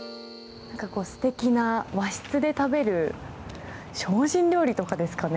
素敵な和室で食べる精進料理とかですかね？